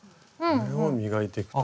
これを磨いていくと。